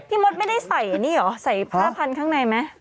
มดไม่ได้ใส่นี่เหรอใส่ผ้าพันธุ์ข้างในไหม